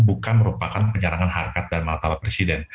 bukan merupakan penyerangan harkat dan martabat presiden